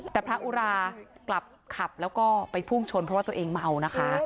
แต่พระอุรากลับขับแล้วก็ไปพุ่งชนเพราะว่าตัวเองเมานะคะ